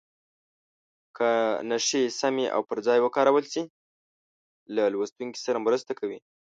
که نښې سمې او پر ځای وکارول شي له لوستونکي سره مرسته کوي.